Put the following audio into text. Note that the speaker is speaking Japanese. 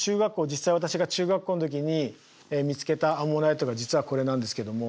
実際私が中学校の時に見つけたアンモナイトが実はこれなんですけども。